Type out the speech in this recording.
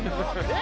え！